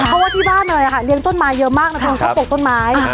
เพราะว่าที่บ้านเลยอะค่ะเลี้ยงต้นไม้เยอะมากนะครับ